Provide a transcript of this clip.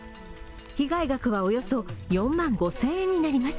被害額はおよそ４万５０００円になります。